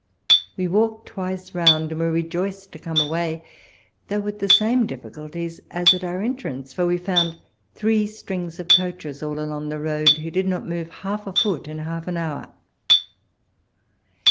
We walked twice round and were i ejoiced to come away, though with the same difficulties as at our entrance ; for we found three strings of coaches all along the road, who did not move half a foot in half an hour.